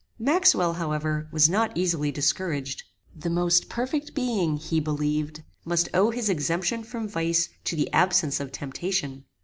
Maxwell, however, was not easily discouraged. The most perfect being, he believed, must owe his exemption from vice to the absence of temptation.